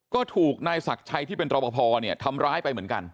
ก็ถูกนายศักดิ์ชัยที่เป็นรอปภทำร้ายไปเหมือนกัน